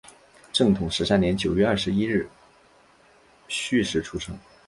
正统十三年九月二十一日戌时出生。